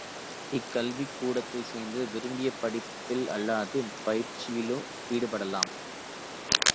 இக்கல்விக் கூடத்தில் சேர்ந்து, விரும்பிய படிப்பில் அல்லது பயிற்சியில் ஈடுபடலாம்.